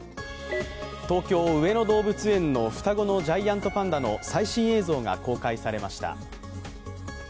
東京上野動物園の双子のジャイアントパンダの最新映像が公開されました。